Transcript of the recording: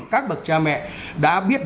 các bậc cha mẹ đã biết